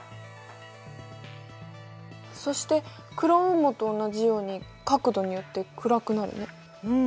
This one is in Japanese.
そして黒雲母と同じように角度によって暗くなるね。